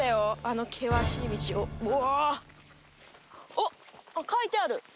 あっ書いてある。